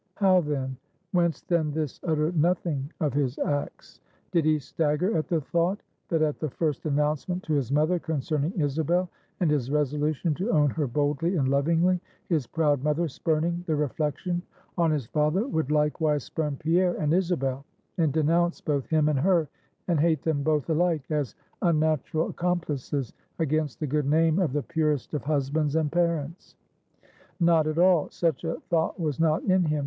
How then? Whence then this utter nothing of his acts? Did he stagger at the thought, that at the first announcement to his mother concerning Isabel, and his resolution to own her boldly and lovingly, his proud mother, spurning the reflection on his father, would likewise spurn Pierre and Isabel, and denounce both him and her, and hate them both alike, as unnatural accomplices against the good name of the purest of husbands and parents? Not at all. Such a thought was not in him.